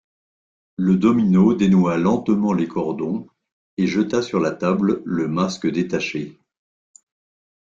Le domino dénoua lentement les cordons et jeta sur la table le masque détaché.